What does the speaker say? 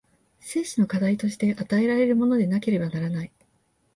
生死の課題として与えられるものでなければならない。